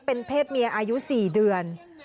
เป็นเพศเมียอายุ๔เดือน